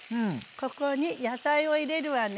ここに野菜を入れるわね。